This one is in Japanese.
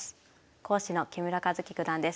講師の木村一基九段です。